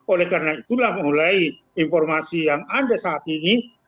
oleh karena itulah mulai informasi yang ada saat ini